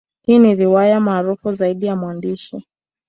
Hii ni riwaya maarufu zaidi ya mwandishi.